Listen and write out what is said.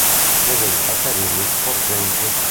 Presenta canini sporgenti.